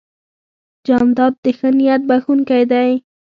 جانداد د ښه نیت بښونکی دی.